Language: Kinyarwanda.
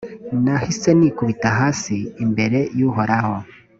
nahise nikubita hasi imbere y’uhoraho;